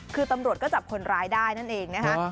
คือตำรวจก็จับคนร้ายได้นั่นเองนะคะ